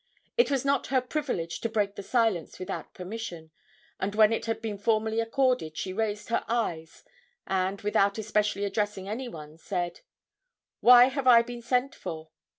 It was not her privilege to break the silence without permission, and when it had been formally accorded she raised her eyes, and, without especially addressing any one, said: "Why have I been sent for?"